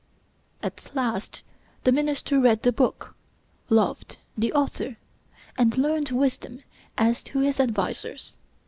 At last the minister read the book, loved the author, and learned wisdom as to his advisers.